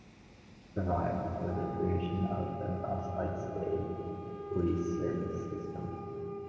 Provides for the creation of the classified State Police civil service system.